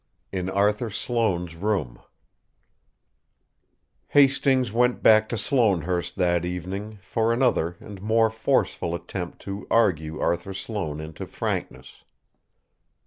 XV IN ARTHUR SLOANE'S ROOM Hastings went back to Sloanehurst that evening for another and more forceful attempt to argue Arthur Sloane into frankness.